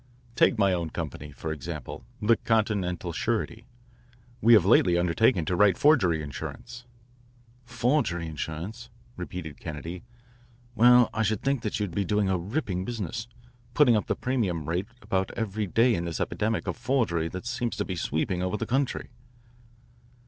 "Take my own company, for example, the Continental Surety. We have lately undertaken to write forgery insurance." "Forgery insurance?" repeated Kennedy. "Well, I should think you'd be doing a ripping business putting up the premium rate about every day in this epidemic of forgery that seems to be sweeping over the country."